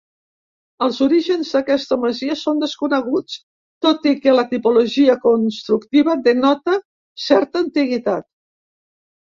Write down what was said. Els orígens d'aquesta masia són desconeguts, tot i que la tipologia constructiva denota certa antiguitat.